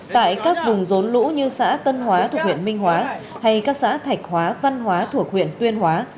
tại các vùng rốn lũ như xã tân hóa thuộc huyện minh hóa hay các xã thạch hóa văn hóa thuộc huyện tuyên hóa